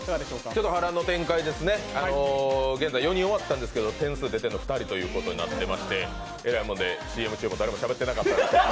ちょっと波乱の展開ですね、現在４人終わったんですけど点数出ているのが２人となっていまして、えらいもんでＣＭ中も誰もしゃべってなかった。